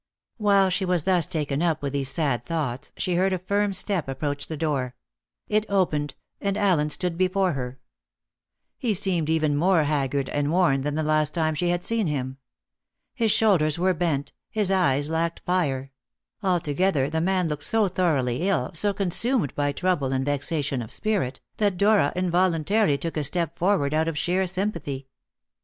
While she was thus taken up with these sad thoughts, she heard a firm step approach the door; it opened, and Allen stood before her. He seemed even more haggard and worn than the last time she had seen him. His shoulders were bent, his eyes lacked fire; altogether the man looked so thoroughly ill, so consumed by trouble and vexation of spirit, that Dora involuntarily took a step forward out of sheer sympathy.